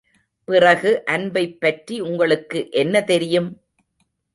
பிறகு அன்பைப் பற்றி உங்களுக்கு என்ன தெரியும்?